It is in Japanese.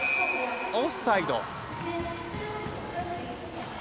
オフサイド。